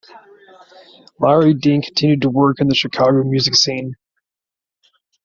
Lary Dean continued to work in the Chicago music scene.